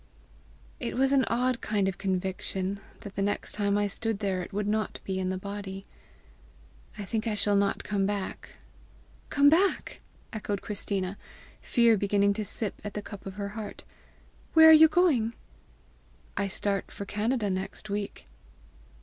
"It was an odd kind of conviction that the next time I stood there, it would not be in the body. I think I shall not come back." "Come back!" echoed Christina, fear beginning to sip at the cup of her heart. "Where are you going?" "I start for Canada next week."